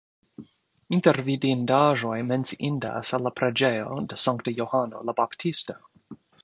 Inter vidindaĵoj menciindas la preĝejo de Sankta Johano la Baptisto.